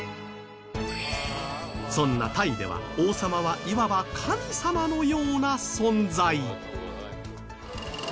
そんなタイでは、王様は今は神様のような存在。